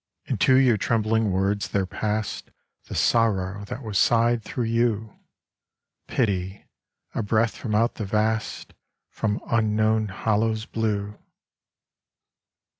Into your trembling words there passed The sorrow that was sighed through you Pity, a breath from out the vast, From unknown hollows blew.